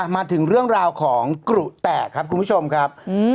มาถึงเรื่องราวของกรุแตกครับคุณผู้ชมครับ